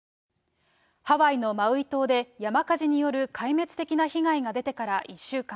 ハワイのマウイ島で山火事による壊滅的な被害が出てから１週間。